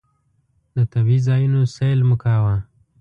د طبعي ځایونو سیل مو کاوه.